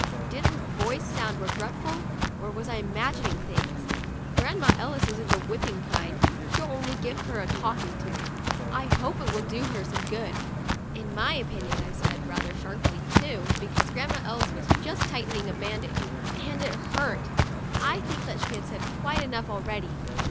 Did her voice sound regretful, or was I imagining things? " Grandma Ellis isn't the whip ping kind ; she'll only give her a talking to. I hope it will do her some good." * In my opinion," I said, rather sharply, too, because Grandma Ellis was just tightening a bandage, and it 74 FRIDAY— MY LEG IS BROKEN hurt, " I think that she has said quite enough, already.